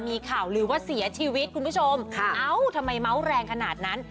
มีข่าวลือว่าเสียชีวิตคุณผู้ชมค่ะเอ้าทำไมเมาส์แรงขนาดนั้น